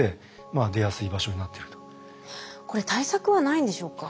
これ対策はないんでしょうか？